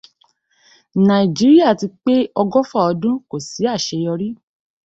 Nàìjíríà ti pé ọgọ́fà ọdún kò sí àṣeyọrí.